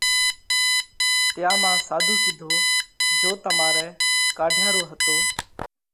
تيا مانھ ساڌُو ڪيڌو جيو تمارئہ ڪاڍيا رو ھتو